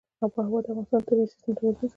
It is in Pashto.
آب وهوا د افغانستان د طبعي سیسټم توازن ساتي.